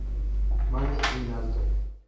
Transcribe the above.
Mani in alto!